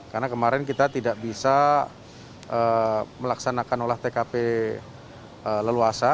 karena kemarin kita tidak bisa melaksanakan olah tkp leluasa